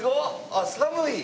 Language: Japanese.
あっ寒い！